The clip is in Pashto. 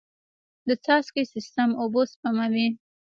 د څاڅکي سیستم اوبه سپموي.